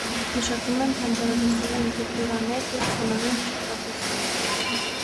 Մշակում են բանջարաբոստանային կուլտուրաներ և ցանովի մշակաբույսեր։